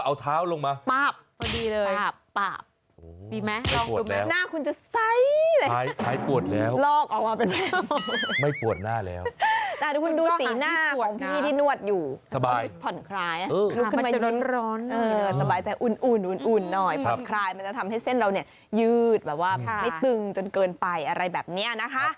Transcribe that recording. เอาเท้าอังไฟแล้วก็ย่ำหลังสบาย